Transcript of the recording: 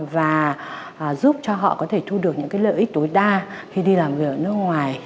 và giúp cho họ có thể thu được những lợi ích tối đa khi đi làm việc ở nước ngoài